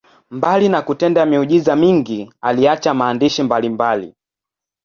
Mbali na kutenda miujiza mingi, aliacha maandishi mbalimbali.